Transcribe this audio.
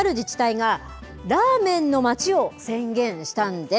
先月、ある自治体がラーメンの町を宣言したんです。